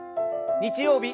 日曜日